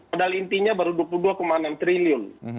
padahal intinya baru dua puluh dua enam triliun